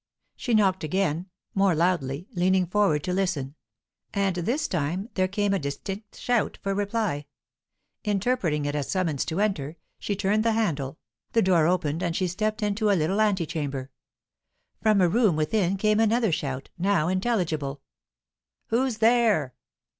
She knocked again, more loudly, leaning forward to listen; and this time there came a distant shout for reply. Interpreting it as summons to enter, she turned the handle; the door opened, and she stepped into a little ante chamber. From a room within came another shout, now intelligible. "Who's there?"